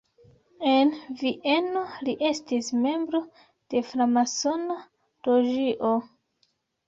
En Vieno li estis membro de framasona loĝio.